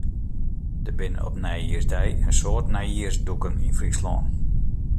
Der binne op nijjiersdei in soad nijjiersdûken yn Fryslân.